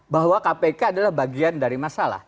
bahwa kpk adalah bagian dari masalah